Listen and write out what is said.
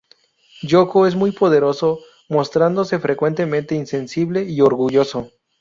Yōko es muy poderoso, mostrándose frecuentemente insensible y orgulloso.